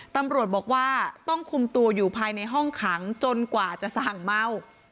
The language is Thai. ตำรวจบอกว่าต้องคุมตัวอยู่ภายในห้องขังจนกว่าจะสั่งเมา